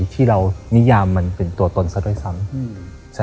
ที่เรานิยามมันเป็นตัวตนซะด้วยซ้ำ